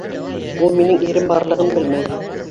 Ул минең ирем барлығын белмәй.